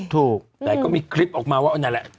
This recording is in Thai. ถูกแต่ก็มีคลิปว่าไหนแหละ